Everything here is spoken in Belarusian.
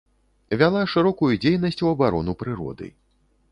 Вяла шырокую дзейнасць у абарону прыроды.